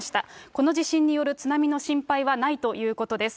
この地震による津波の心配はないということです。